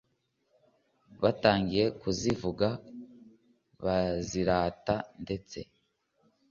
batangiye kuzivuga bazirata ndetse